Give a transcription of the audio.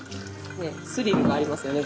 スリルがありますよね